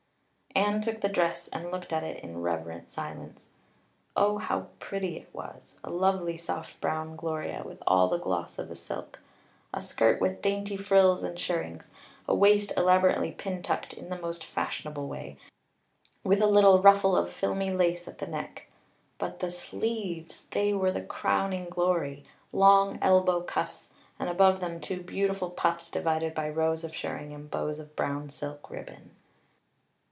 Anne took the dress and looked at it in reverent silence. Oh, how pretty it was a lovely soft brown gloria with all the gloss of silk; a skirt with dainty frills and shirrings; a waist elaborately pintucked in the most fashionable way, with a little ruffle of filmy lace at the neck. But the sleeves they were the crowning glory! Long elbow cuffs, and above them two beautiful puffs divided by rows of shirring and bows of brown silk ribbon.